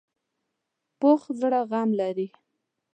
پوخ زړه زغم لري